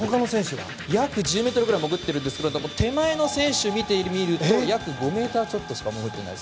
約１０ｍぐらい潜っているんですけれども手前の選手を見てみると約５ｍちょっとしか潜っていない。